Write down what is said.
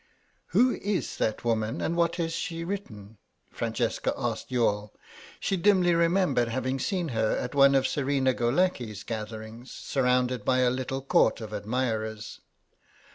"Who is that woman and what has she written?" Francesca asked Youghal; she dimly remembered having seen her at one of Serena Golackly's gatherings, surrounded by a little Court of admirers.